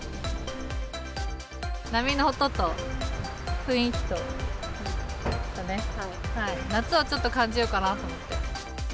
波の音と雰囲気と、夏をちょっと感じようかなと思って。